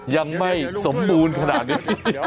ยังไม่สมบูรณ์ขนาดนี้